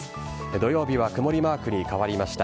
土曜日は曇りマークに変わりました。